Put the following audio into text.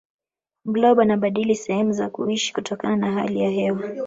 blob anabadili sehemu za kuishi kutokana na hali ya hewa